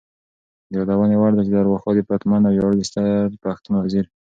د یادونې وړ ده چې د ارواښاد پتمن او ویاړلي ستر پښتون وزیر